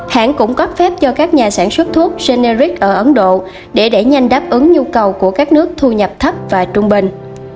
hãng cũng cấp phép cho các nhà sản xuất thuốc cenric ở ấn độ để đẩy nhanh đáp ứng nhu cầu của các nước thu nhập thấp và trung bình